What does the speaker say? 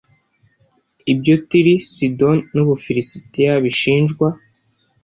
Ibyo Tiri, Sidoni n’Ubufilisiti bishinjwa